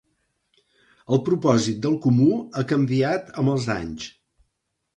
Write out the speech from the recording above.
El propòsit del Comú ha canviat amb els anys.